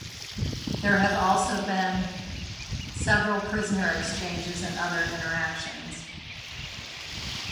There have also been several prisoner exchanges and other interactions.